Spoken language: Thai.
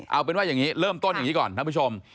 เอาเป็นว่าอย่างนี้เริ่มต้นอย่างนี้ก่อนท่านผู้ชม